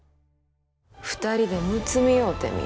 ２人でむつみ合うてみよ。